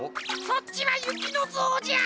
そっちはゆきのぞうじゃ。